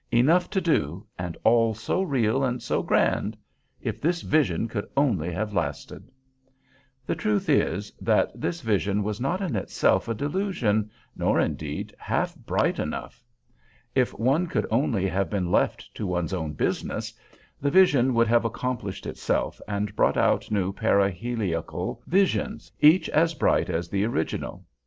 Enough to do, and all so real and so grand! If this vision could only have lasted. The truth is, that this vision was not in itself a delusion, nor, indeed, half bright enough. If one could only have been left to do his own business, the vision would have accomplished itself and brought out new paraheliacal visions, each as bright as the original.